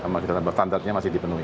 masih dalam standardnya masih dipenuhi